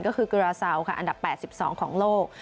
ก็คือกุราเซาค่ะอันดับ๘๒ของโลก